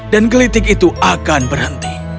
dan gelitik itu akan berhenti